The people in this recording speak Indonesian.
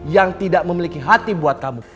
yang tidak memiliki hati buat kamu